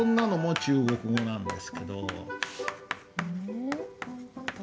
中国語なんです。